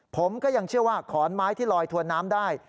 ผมก็ยังเชื่อว่าขอนไม้ที่ลอยถวนน้ำได้